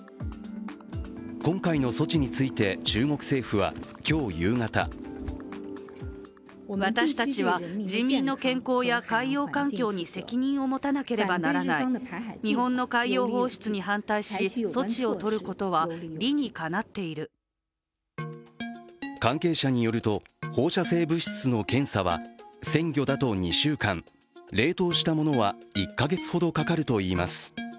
今回の措置について中国政府は、今日夕方関係者によると放射性物質の検査は鮮魚だと２週間、冷凍したものは１か月ほどかかるといいます。